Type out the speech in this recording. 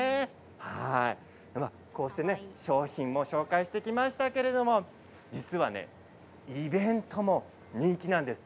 商品を紹介してきましたけれど実はイベントも人気なんですよ。